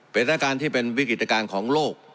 เป็นอาการที่เป็นวิกฤตการณ์ของโลก